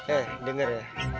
eh denger ya